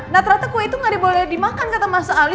nah ternyata kue itu gak ada boleh dimakan kata mas ali